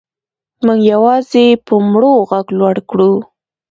موږ یوازې په مړو غږ لوړ کړو.